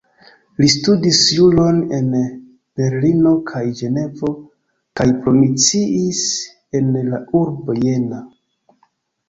Li studis juron en Berlino kaj Ĝenevo kaj promociis en la urbo Jena.